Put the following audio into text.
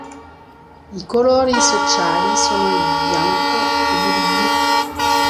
I colori sociali sono il bianco ed il blu.